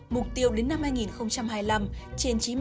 mục tiêu đến năm hai nghìn hai mươi năm